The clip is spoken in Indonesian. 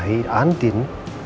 sampai anda menikahi andin